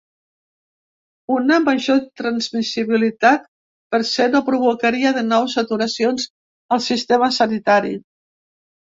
Una major transmissibilitat, per se, no provocaria de nou saturacions al sistema sanitari.